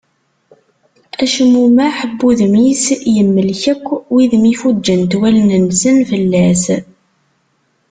Acmummeḥ n wudem-is yemlek akk wid mi fuǧent wallen-nsen fell-as.